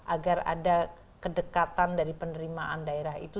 agar ada kedekatan dari penerimaan daerah itu